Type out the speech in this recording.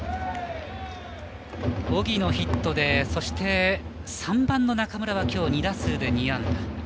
荻野ヒットでそして３番の中村はきょう２打数２安打。